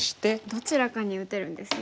どちらかに打てるんですね。